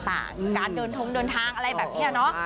การเดินทงเดินทางอะไรแบบนี้เนาะ